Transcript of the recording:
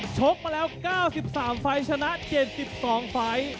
ชกมาแล้ว๙๓ฟัยชนะ๗๒ฟัย